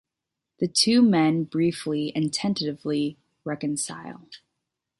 The two men briefly and tentatively reconcile.